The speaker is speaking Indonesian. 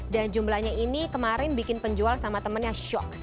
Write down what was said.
dan jumlahnya ini kemarin bikin penjual sama temannya shock